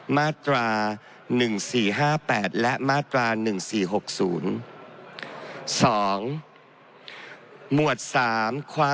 มาตรา๑๔๔๖